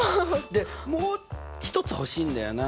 でもう一つ欲しいんだよな。